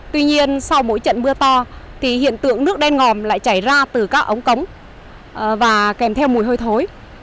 tuy nhiên sau mỗi trận mưa to thì hiện tượng nước đen ngòm lại chảy ra từ các ống cống và kèm theo mùi hôi thối